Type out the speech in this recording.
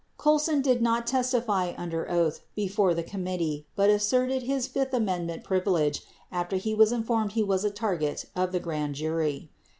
81 Colson did not testify under oath before the committee but asserted his fifth amendment privilege after he w T as informed lie w T as a target of the grand jury.